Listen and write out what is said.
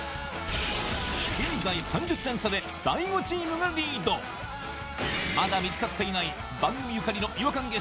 現在３０点差で大悟チームがリードまだ見つかっていない番組ゆかりの違和感